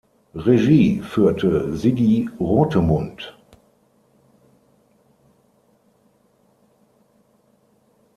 Regie führte Sigi Rothemund.